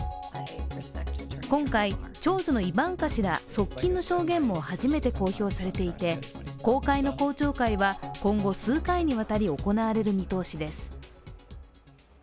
今回、長女のイヴァンカ氏ら側近の証言も初めて公表されていて、公開の公聴会は今後、数回にわたり行われる見通しです。